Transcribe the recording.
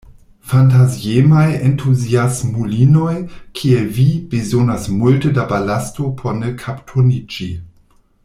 Fantaziemaj entuziasmulinoj, kiel vi, bezonas multe da balasto por ne kapturniĝi.